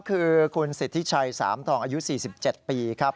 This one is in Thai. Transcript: คือคุณสิทธิชัยสามทองอายุ๔๗ปีครับ